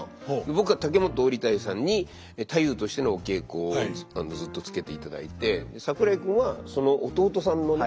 僕は竹本織太夫さんに太夫としてのお稽古をずっとつけていただいて桜井君はその弟さんのね。